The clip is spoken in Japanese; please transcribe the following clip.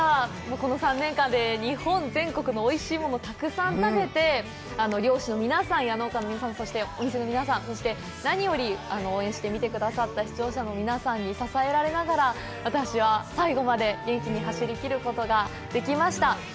この３年間で日本全国のおいしいものをたくさん食べて、漁師の皆さんや農家の皆さん、そしてお店の皆さん、そして、何より応援して見てくださった視聴者の皆さんに支えられながら私は最後まで元気に走り切ることができました。